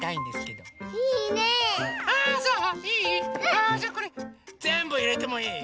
あじゃあこれぜんぶいれてもいい？